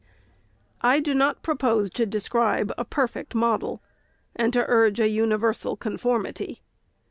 I do not propose to describe a perfect model, and to urge a universal conformity.